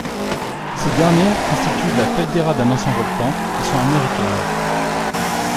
Ces dernières constituent la caldeira d'un ancien volcan et sont américaines.